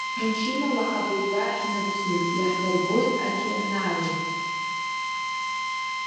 Машьынала абульвар ҳнықәсуеит, иаҳдырбоит океанариа.